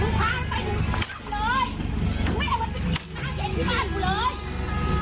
มึงไม่พามันไปกินน้ำเย็นที่บ้านกูเลย